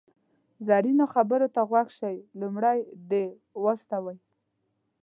زرینو خبرو ته غوږ شئ، لومړی دې و استوئ.